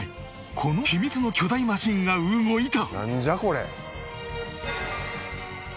この秘密の巨大マシンが動いた！